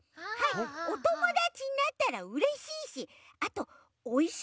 おともだちになったらうれしいしあとおいしいですしね。